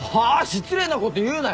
失礼なこと言うなよ。